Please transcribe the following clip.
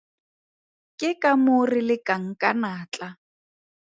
Ke ka moo re lekang ka natla.